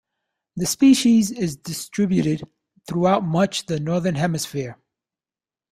The species is distributed throughout much the northern hemisphere.